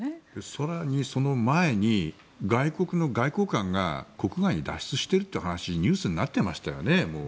更にその前に外国の外交官が国外に脱出しているという話がニュースになってましたよね。